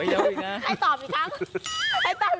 ให้ตอบอีกครั้ง